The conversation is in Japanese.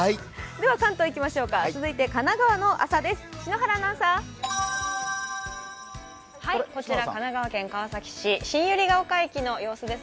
関東いきましょうか、神奈川の朝です。